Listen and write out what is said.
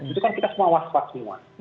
itu kan kita semua waspada semua